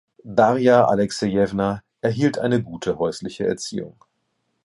Darja Alexejewna erhielt eine gute häusliche Erziehung.